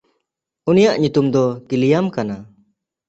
ᱩᱱᱤᱭᱟᱜ ᱧᱩᱛᱩᱢ ᱫᱚ ᱠᱤᱞᱤᱭᱟᱢ ᱠᱟᱱᱟ᱾